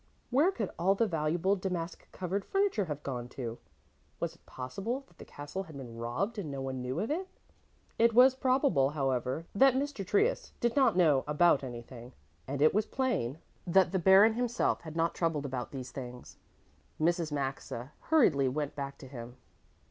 Where could all the valuable damask covered furniture have gone to? Was it possible that the castle had been robbed and no one knew of it? It was probable, however, that Mr. Trius did not know about anything, and it was plain that the Baron himself had not troubled about these things. Mrs. Maxa hurriedly went back to him.